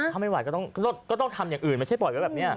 ถ้าไม่ไหวก็ต้องทำอย่างอื่นไม่ใช่ปล่อยไว้แบบนี้